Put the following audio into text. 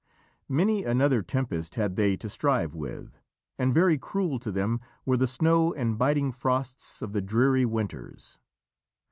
Many another tempest had they to strive with, and very cruel to them were the snow and biting frosts of the dreary winters.